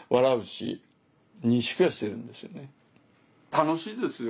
楽しいですよ。